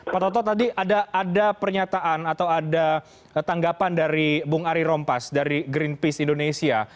pak toto tadi ada pernyataan atau ada tanggapan dari bung ari rompas dari greenpeace indonesia